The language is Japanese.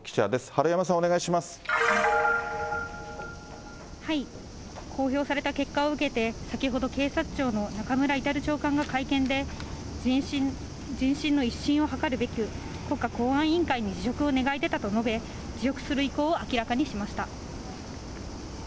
治山さん、公表された結果を受けて、先ほど警察庁の中村格長官が会見で、人心の一新を図るべき、国家公安委員会に辞職を願い出たと述べ、辞職する意向を明らかにしました。